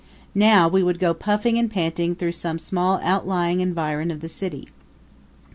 Now we would go puffing and panting through some small outlying environ of the city.